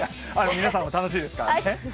皆さんも楽しいですからね。